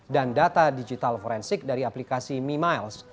dan data digital forensik dari aplikasi mi miles